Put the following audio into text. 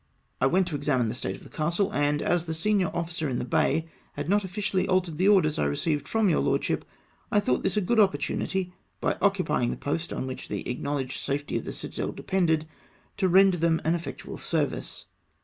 I went to examine the state of the castle, and, as the senior officer in the bay had not officially altered the orders I received from your lordship, I thought this a good opportunity, by occupying a post on which the acknow ledged safety of the citadel depended, to render them an effectual service.